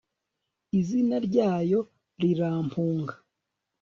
izina ryayo rirampunga